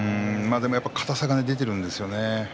でも硬さが出ているんですよね。